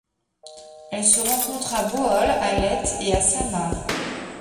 Elle se rencontre à Bohol, à Leyte et à Samar.